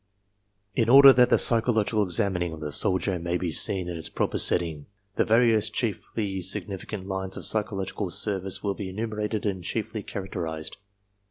In order that the psychological examining of the soldier may be seen in its proper setting, the various chiefly significant lines of psychological service will be enumerated and briefly char acterized.